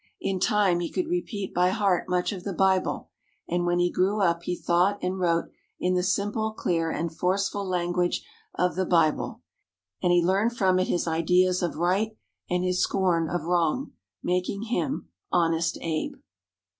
In time he could repeat by heart much of the Bible, and, when he grew up, he thought and wrote in the simple, clear, and forceful language of the Bible. And he learned from it his ideas of right and his scorn of wrong, making him "Honest Abe."